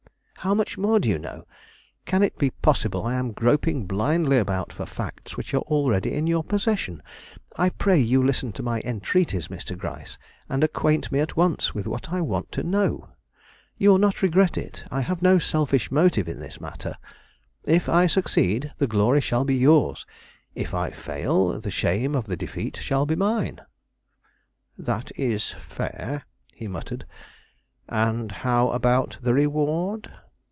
"How much more do you know? Can it be possible I am groping blindly about for facts which are already in your possession? I pray you listen to my entreaties, Mr. Gryce, and acquaint me at once with what I want to know. You will not regret it. I have no selfish motive in this matter. If I succeed, the glory shall be yours; it I fail, the shame of the defeat shall be mine." "That is fair," he muttered. "And how about the reward?"